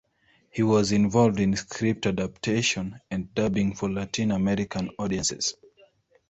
He was involved in script adaptation and dubbing for Latin American audiences.